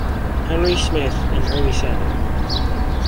Henry Smith, an early settler.